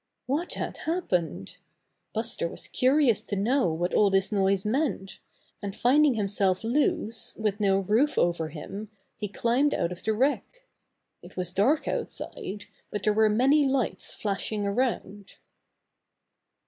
What had happened! Buster was curious to know what all this noise meant, and finding himself loose, with no roof over him, he climbed out of the wreck. It was dark out side, but there were many lights flashing around.